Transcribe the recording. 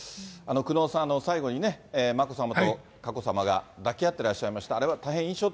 久能さん、最後に眞子さまと佳子さまが抱き合ってらっしゃいました。